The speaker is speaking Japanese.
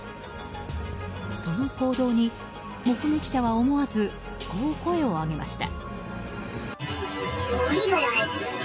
その行動に、目撃者は思わずこう声を上げました。